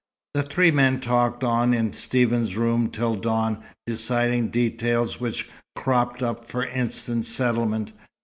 The three men talked on in Stephen's room till dawn, deciding details which cropped up for instant settlement.